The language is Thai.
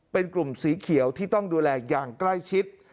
เป็นกลุ่มสีเขียวที่ต้องดูแลอย่างใกล้ชิด